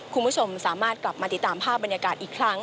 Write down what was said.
คุณผู้ชมสามารถกลับมาติดตามภาพบรรยากาศอีกครั้ง